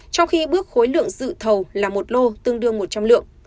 trong khi bước khối lượng dự thầu là một lô tương đương một trăm linh lượng